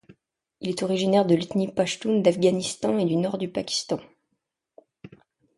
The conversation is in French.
Il est originaire de l'ethnie pachtoune d'Afghanistan et du Nord du Pakistan.